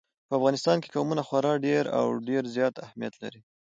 په افغانستان کې قومونه خورا ډېر او ډېر زیات اهمیت لري.